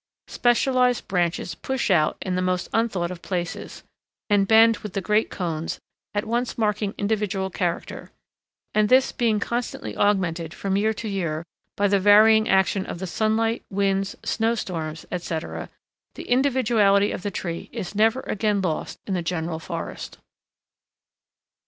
Specialized branches push out in the most unthought of places, and bend with the great cones, at once marking individual character, and this being constantly augmented from year to year by the varying action of the sunlight, winds, snow storms, etc., the individuality of the tree is never again lost in the general forest.